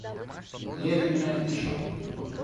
Левин не отвечал.